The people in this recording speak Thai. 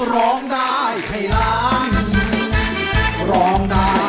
ร้องได้ให้ร้าง